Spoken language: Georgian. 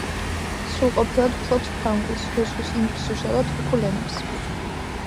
სრულყოფილად ფლობს ფრანგულს, რუსულს, ინგლისურსა და თურქულ ენებს.